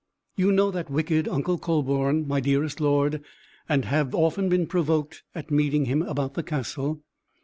"You know that wicked Uncle Kühleborn, my dearest lord, and have often been provoked at meeting him about the castle.